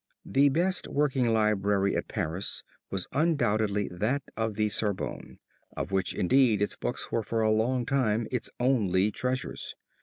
The best working library at Paris was undoubtedly that of the Sorbonne, of which indeed its books were for a long time its only treasures.